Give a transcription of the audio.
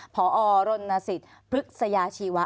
พอรณสิทธิ์พฤกษยาชีวะ